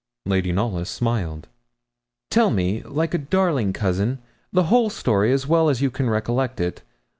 Lady Knollys smiled. 'Tell me, like a darling cousin, the whole story as well as you can recollect it.